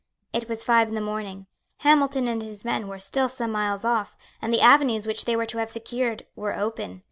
It was five in the morning. Hamilton and his men were still some miles off; and the avenues which they were to have secured were open.